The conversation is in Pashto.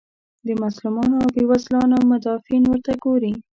د مظلومانو او بیوزلانو مدافعین ورته ګوري.